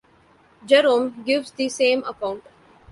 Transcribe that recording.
Jerome gives the same account.